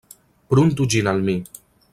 Pruntu ĝin al mi!